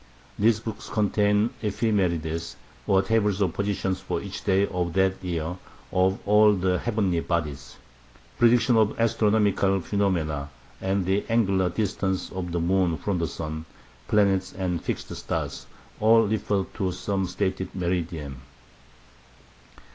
These books contain ephemerides, or tables of positions for each day of that year of all the heavenly bodies, "predictions of astronomical phenomena, and the angular distances of the moon from the sun, planets, and fixed stars," all referred to some stated meridian.